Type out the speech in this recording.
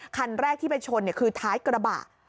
คันแรกที่ไปชนคือท้ายกระบะ